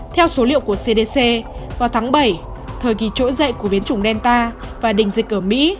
theo số liệu của cdc vào tháng bảy thời kỳ trỗi dậy của biến chủng delta và đình dịch ở mỹ